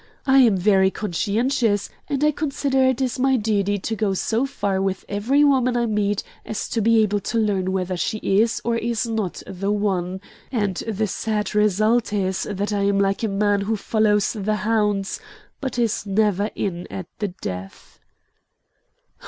I am very conscientious, and I consider that it is my duty to go so far with every woman I meet as to be able to learn whether she is or is not the one, and the sad result is that I am like a man who follows the hounds but is never in at the death."